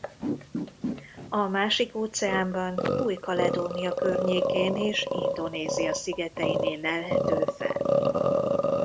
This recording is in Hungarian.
A másik óceánban Új-Kaledónia környékén és Indonézia szigeteinél lelhető fel.